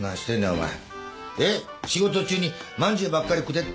仕事中にまんじゅうばっかり食って。